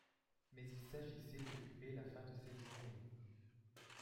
Mais il s’agissait d’occuper la fin de cette journée.